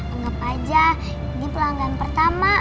anggap aja di pelanggan pertama